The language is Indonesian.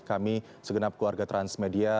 kami segenap keluarga transmedia